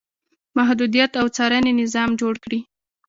محدودیت او څارنې نظام جوړ کړي.